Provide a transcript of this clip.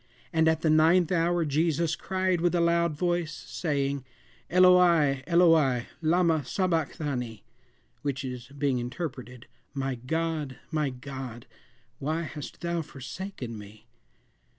"And at the ninth hour Jesus cried with a loud voice, saying, Eloi, Eloi, lama sabacthani, which is, being interpreted, My God, my God, why hast thou forsaken me?"